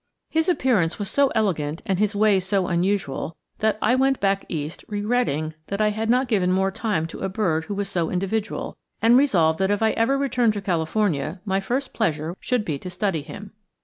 His appearance was so elegant and his ways so unusual that I went back East regretting I had not given more time to a bird who was so individual, and resolved that if I ever returned to California my first pleasure should be to study him.